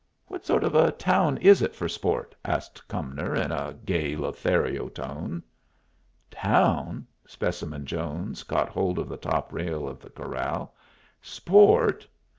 What sort of a town is it for sport?" asked Cumnor, in a gay Lothario tone. "Town?" Specimen Jones caught hold of the top rail of the corral. "_Sport?